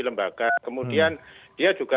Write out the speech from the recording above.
lembaga kemudian dia juga